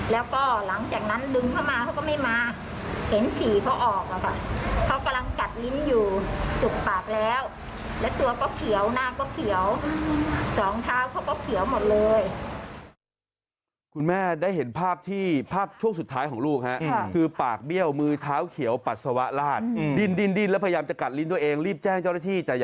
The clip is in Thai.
แล้วก็เอ้เห็นนุ๊กโอ้โธ่แขกแขวนใช่ไหมคะ